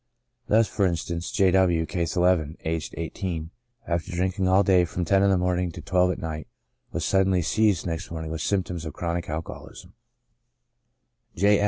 Thus, for instance: J. W —, (Case II,) aged 18, after drinking all day from ten in the morning to twelve at night, was suddenly seized next morning with symptoms of chronic alcoholism. G.